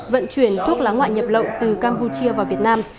vận chuyển thuốc lá ngoại nhập lậu từ campuchia vào việt nam